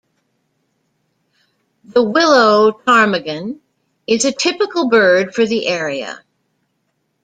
The willow ptarmigan is a typical bird for the area.